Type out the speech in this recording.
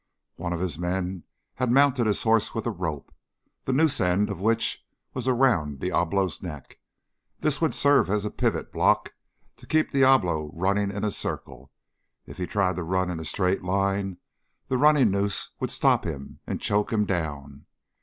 One of his men had mounted his horse with a rope, the noose end of which was around Diablo's neck. This would serve as a pivot block to keep Diablo running in a circle. If he tried to run in a straight line the running noose would stop him and choke him down.